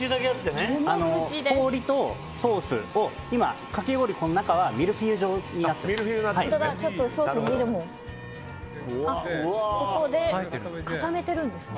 氷とソースを今、かき氷の中はミルフィーユ状になっています。